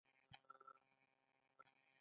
قلم د لیک لوست کلۍ ده